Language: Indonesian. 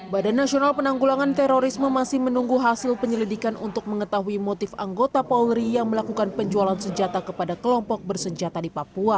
badan nasional penanggulangan terorisme masih menunggu hasil penyelidikan untuk mengetahui motif anggota polri yang melakukan penjualan senjata kepada kelompok bersenjata di papua